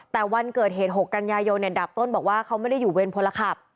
แต่วันเกิดเหตุ๖กันยายนดาบต้นบอกว่าเขาไม่ได้อยู่เวรพลขับ